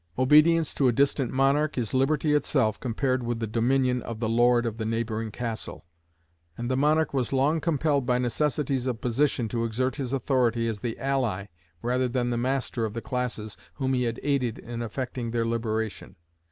Obedience to a distant monarch is liberty itself compared with the dominion of the lord of the neighboring castle; and the monarch was long compelled by necessities of position to exert his authority as the ally rather than the master of the classes whom he had aided in affecting their liberation.